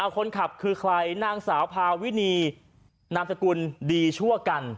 คนขับคือใครนางสาวพาวินีนามสกุลดีชั่วกัน